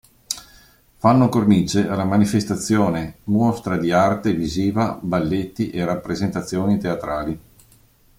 Fanno cornice alla manifestazione mostre di arte visiva, balletti e rappresentazioni teatrali.